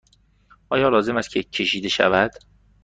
آیا لازم است که کشیده شود؟